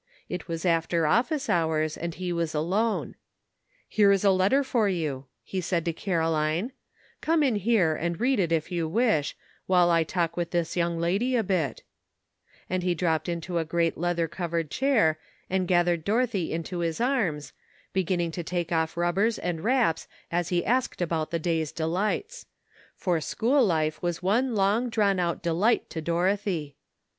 It was after office hours, and he was alone. *' Here is a letter for you," he said to Caroline, Come in here and read it if you wish, while I talk to this young lady a bit," and he dropped into a great leather covered chair and gathered Doro thy into his arms, beginning to take off rubbers and wraps, as he asked about the day's delights ; for school life was one long drawn out delight to Dorothy.